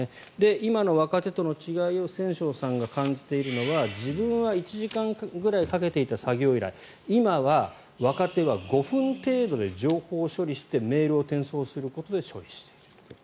今の若手との違いを千正さんが感じているのは自分は１時間ぐらいかけていた作業依頼今は若手は５分程度で情報処理してメールを転送することで処理している。